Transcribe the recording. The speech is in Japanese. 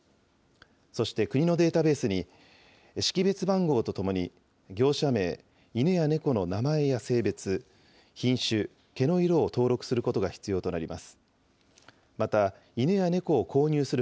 そして国のデータベースに、識別番号とともに業者名、犬や猫の名前や性別、品種、毛の色を登録することが必要となります。